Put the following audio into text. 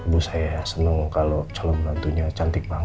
biar ibu saya seneng kalo calon bantunya cantik banget